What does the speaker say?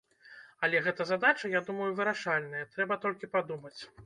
Але гэта задача, я думаю, вырашальная, трэба толькі падумаць.